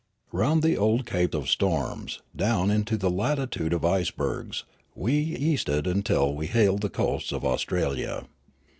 Round the old cape of storms, down into the latitude of icebergs, we easted till we hailed the coasts of Aus tralia.